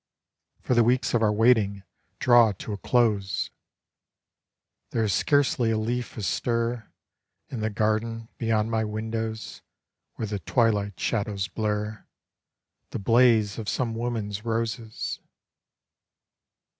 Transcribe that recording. For the weeks of our waiting draw to a close.... There is scarcely a leaf astir In the garden beyond my windows where the twilight shadows blur The blaze of some woman's roses....